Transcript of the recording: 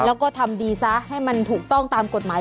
แล้วก็ทำดีซะให้มันถูกต้องตามกฎหมาย